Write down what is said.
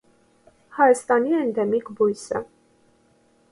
Հայաստանի էնդեմիկ բույս է։